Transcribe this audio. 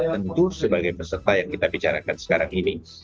tentu sebagai peserta yang kita bicarakan sekarang ini